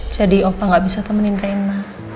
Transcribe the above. jadi opa gak bisa temenin rena